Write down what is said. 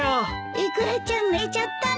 イクラちゃん寝ちゃったんです。